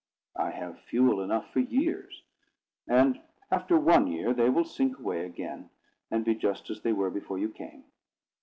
I have fuel enough for years; and after one year they will sink away again, and be just as they were before you came.